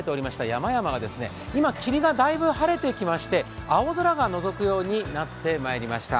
山々が、今、霧がだいぶ晴れてきまして青空がのぞくようになってまいりました